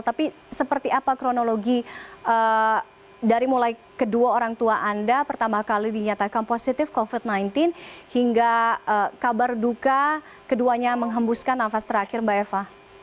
tapi seperti apa kronologi dari mulai kedua orang tua anda pertama kali dinyatakan positif covid sembilan belas hingga kabar duka keduanya menghembuskan nafas terakhir mbak eva